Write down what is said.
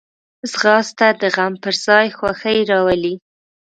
ځغاسته د غم پر ځای خوښي راولي